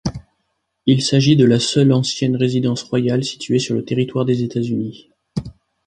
Il s'agit de la seule ancienne résidence royale située sur le territoire des États-Unis.